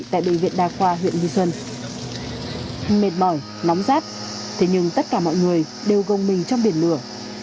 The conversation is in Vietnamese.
thế nhưng tất cả mọi người đều gông mình trong biển lửa